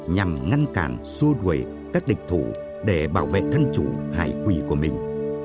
nhằm ngăn cản xua đuổi các địch thủ để bảo vệ thân chủ hải quỷ của mình